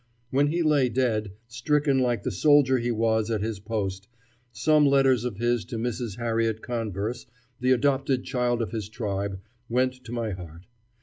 When he lay dead, stricken like the soldier he was at his post, some letters of his to Mrs. Harriet Converse, the adopted child of his tribe, went to my heart.